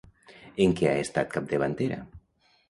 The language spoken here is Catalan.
En què ha estat capdavantera?